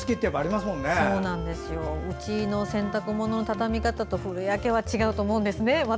うちの洗濯物、たたみ方古谷家は違うと思うんですね。